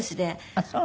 あっそう。